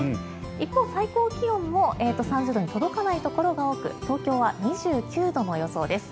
一方、最高気温も３０度に届かないところが多く東京は２９度の予想です。